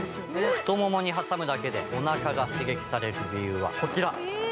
太ももに挟むだけでおなかが刺激される理由は、こちら。